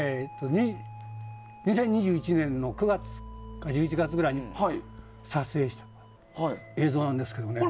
去年、２０２１年の９月か１１月くらいに撮影した映像なんですけどね。